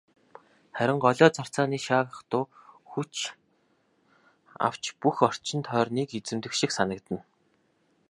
Харин голио царцааны шаагих дуу хүч авч бүх орчин тойрныг эзэмдэх шиг санагдана.